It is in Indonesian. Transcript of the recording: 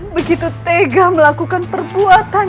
begitu tegah melakukan perbuatan